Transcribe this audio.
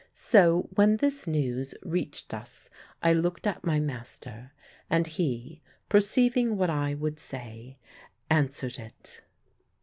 So when this news reached us I looked at my master, and he, perceiving what I would say, answered it.